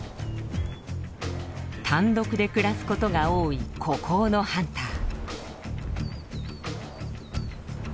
単独で暮らすことが多い孤高のハンター。